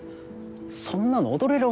そんなの踊れるわけ。